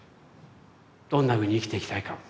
どんなふうに生きていきたいか。